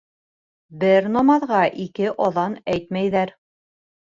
Бер намаҙға ике аҙан әйтмәйҙәр.